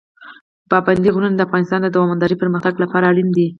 پابندی غرونه د افغانستان د دوامداره پرمختګ لپاره اړین دي.